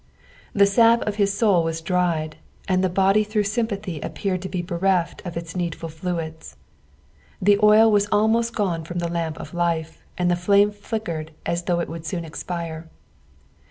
The sap of bis soul was dried, and the bod; through sympathv appeared to be bereft of its needful fluids. The oil was almost gone from the tamp of li/e, and the flame flickered as though it would soon expire.